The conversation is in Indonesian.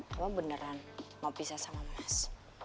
kamu beneran mau pisah sama mas